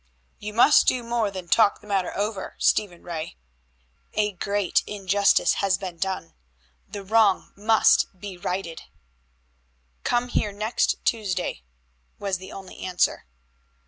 "You must do more than talk the matter over, Stephen Ray. A great injustice has been done, the wrong must be righted." "Come here next Tuesday," was the only answer.